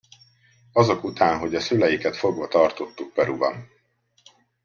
Azok után, hogy a szüleiket fogva tartottuk Peruban.